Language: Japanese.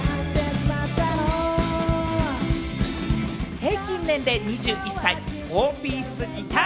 平均年齢２１歳、４ピースギター